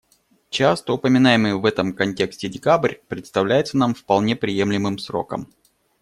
Часто упоминаемый в этом контексте декабрь представляется нам вполне приемлемым сроком.